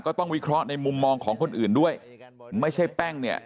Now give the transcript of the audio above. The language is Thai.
ต้องวิเคราะห์ในมุมมองของคนอื่นด้วยไม่ใช่แป้งเนี่ย